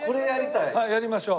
はいやりましょう。